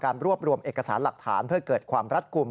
รวบรวมเอกสารหลักฐานเพื่อเกิดความรัดกลุ่ม